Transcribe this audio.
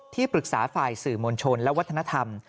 ปรึกษาฝ่ายสื่อมวลชนและวัฒนธรรม